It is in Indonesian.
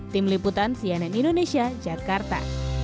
tim liputan cnn indonesia jakarta